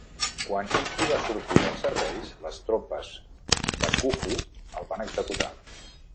Quan Hiki va sortir dels serveis, les tropes bakufu el van executar.